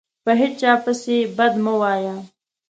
په هیچا پسي بد مه وایه